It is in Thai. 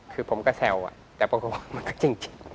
คือผมก็แซวแต่บอกตัวผมมันก็จริง